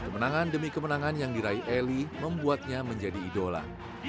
kemenangan demi kemenangan yang diraih eli membuatnya menjadi idola